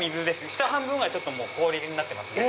下半分は氷になってますね。